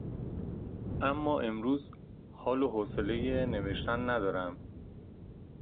اما امروز حال و حوصله نوشتن ندارم.